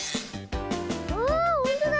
あほんとだ！